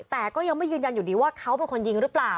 แต่ก็ยังไม่ยืนยันอยู่ดีว่าเขาเป็นคนยิงหรือเปล่า